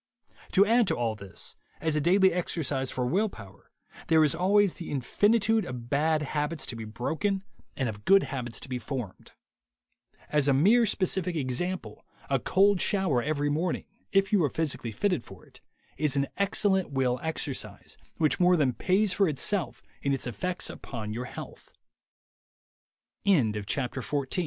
To add to all this, as a daily exercise for will power, there is always the infinitude of bad habits to be broken and of good habits to be formed. As a mere specific example, a cold shower every morning, if you are physically fitted for it, is an excellent will exercise, which more than pays for it